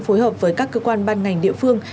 phối hợp với các cơ quan ban ngành địa phương